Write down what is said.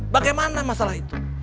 bagaimana masalah itu